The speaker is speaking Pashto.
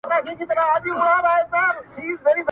یو صوفي یو قلندر سره یاران وه!